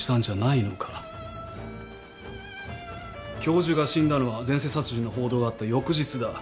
教授が死んだのは前世殺人の報道があった翌日だ。